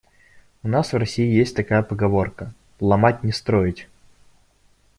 У нас в России есть такая поговорка: "Ломать — не строить".